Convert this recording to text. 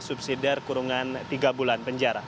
subsidiar kurungan tiga bulan penjara